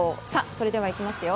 それではいきますよ。